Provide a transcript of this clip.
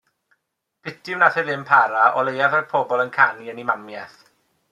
Piti wnaeth e ddim para, o leiaf roedd pobl yn canu yn eu mamiaith.